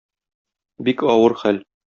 Бик авыр хәл.